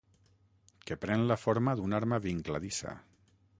Que pren la forma d'una arma vincladissa.